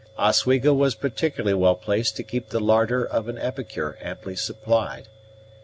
Oswego was particularly well placed to keep the larder of an epicure amply supplied.